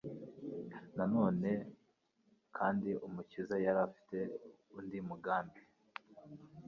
Na none kandi, Umukiza yari afite undi mugambi.